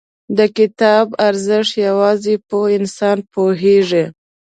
• د کتاب ارزښت، یوازې پوه انسان پوهېږي.